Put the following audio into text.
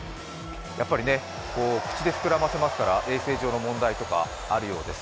やっぱり口で膨らませますから衛生上の問題とかあるそうです。